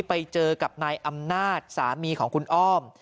ไปเจอกับนายอำนาจสามีของคุณอ้อม